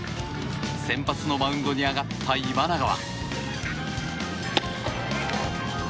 先発のマウンドに上がった今永は。